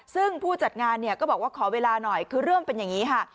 ซึ่งผู้จัดงานเนี่ยก็บอกว่าขอเวลาหน่อยคือเรื่องเป็นอย่างนี้ค่ะ